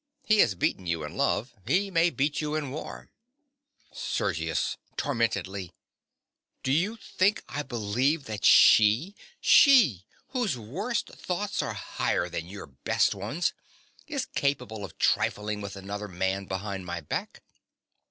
He has beaten you in love. He may beat you in war. SERGIUS. (tormentedly). Do you think I believe that she—she! whose worst thoughts are higher than your best ones, is capable of trifling with another man behind my back?